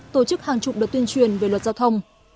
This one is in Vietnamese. tổ chức hàng chục đợt tuyên truyền về luật giao thông